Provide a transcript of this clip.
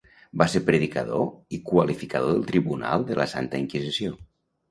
Va ser predicador i qualificador del tribunal de la Santa Inquisició.